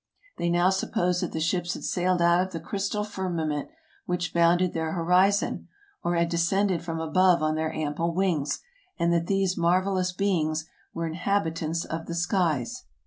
They now supposed that the ships had sailed out of the crystal firmament which bounded their horizon, or had descended from above on their ample wings, and that these marvelous beings were inhabitants of the skies.